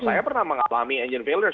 saya pernah mengalami engine failer